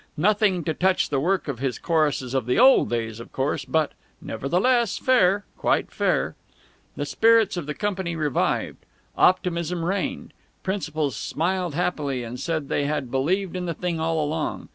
Nothing to touch the work of his choruses of the old days, of course, but nevertheless fair, quite fair. The spirits of the company revived. Optimism reigned. Principals smiled happily and said they had believed in the thing all along.